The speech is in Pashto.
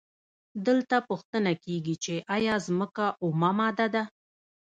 دلته پوښتنه کیږي چې ایا ځمکه اومه ماده ده؟